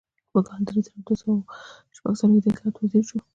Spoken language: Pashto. په کال زر درې سوه شپږ څلویښت د اطلاعاتو وزیر شو.